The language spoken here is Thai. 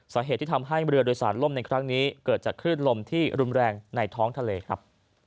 สาเหตุที่ทำให้เรือโดยสารล่มในครั้งนี้เกิดจากคลื่นลมที่รุนแรงในท้องทะเลครับ